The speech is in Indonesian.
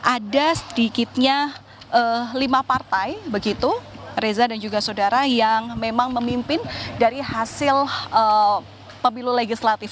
ada sedikitnya lima partai begitu reza dan juga saudara yang memang memimpin dari hasil pemilu legislatif